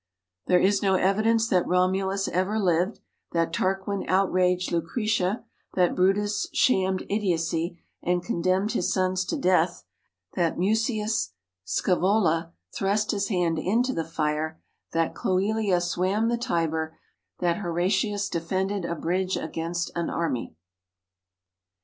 There is no evidence that Romulus ever lived, that Tarquín outraged Lucretia, that Brutus shammed idiocy and condemned his sons to death, that Mucius Scaevola thrust his hand into the fire, that Cloelia swam the Tiber, that Horatius defended a bridge against an army.